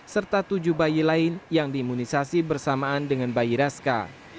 serta tujuh bayi lain yang diimunisasi bersamaan dengan bayi raska